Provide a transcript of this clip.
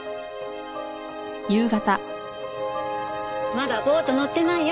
まだボート乗ってないよ。